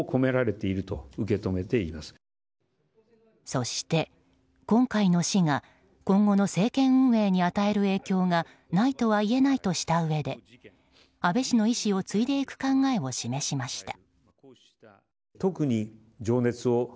そして、今回の死が今後の政権運営に与える影響がないとはいえないとしたうえで安倍氏の遺志を継いでいく考えを示しました。